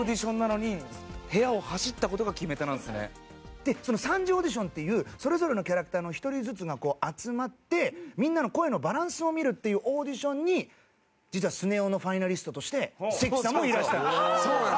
でその３次オーディションっていうそれぞれのキャラクターの１人ずつが集まってみんなの声のバランスを見るっていうオーディションに実はスネ夫のファイナリストとして関さんもいらした。